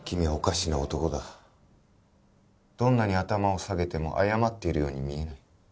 どんなに頭を下げても謝っているように見えない。